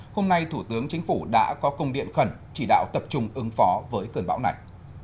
hôm nay thủ tướng chính phủ đã có công điện khẩn chỉ đạo tập trung ứng phó với cơn bão này